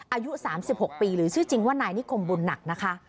อายุ๓๖ปีหรือชื่อจริงว่านายนิคมบุญหนักนะคะ